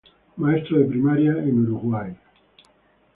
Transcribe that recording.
Maestro de Primaria en Uruguay.